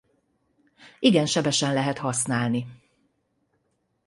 Igen sebesen lehet használni.